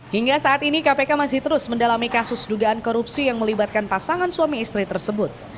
hingga saat ini kpk masih terus mendalami kasus dugaan korupsi yang melibatkan pasangan suami istri tersebut